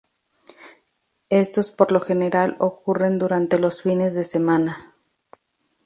Estos por lo general ocurren durante los fines de semana.